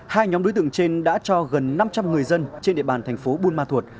hai nhóm đối tượng trên đã cho gần năm trăm linh người dân trên địa bàn thành phố buôn ma thuột